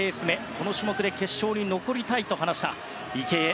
この種目で決勝に残りたいと話した池江。